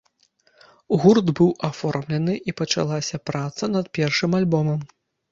Гурт быў аформлены, і пачалася праца над першым альбомам.